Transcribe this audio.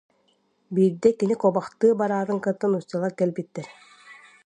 Биирдэ кини куобахтыы бараатын кытта нууччалар кэлбиттэр